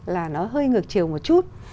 là nó hơi ngược chiều một chút